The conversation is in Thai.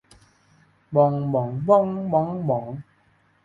บอง บ่อง บ้อง บ๊อง บ๋อง